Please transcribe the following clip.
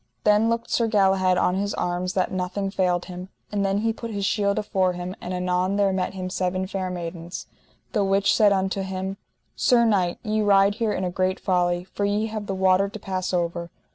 Then looked Sir Galahad on his arms that nothing failed him, and then he put his shield afore him; and anon there met him seven fair maidens, the which said unto him: Sir knight, ye ride here in a great folly, for ye have the water to pass over.